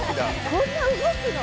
こんな動くの！？